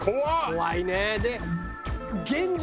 怖いね。